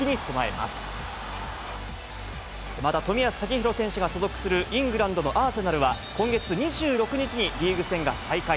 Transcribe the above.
また冨安健洋選手が所属するイングランドのアーセナルは、今月２６日に、リーグ戦が再開。